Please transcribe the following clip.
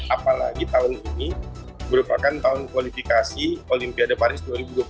apalagi tahun ini merupakan tahun kualifikasi olimpiade paris dua ribu dua puluh empat